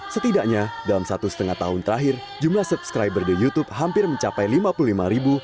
setidaknya dalam satu setengah tahun terakhir jumlah subscriber di youtube hampir mencapai lima puluh lima ribu